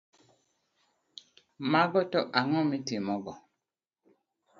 Mago to ang’o miting’ogo?